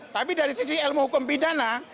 tapi dari sisi ilmu hukum pidana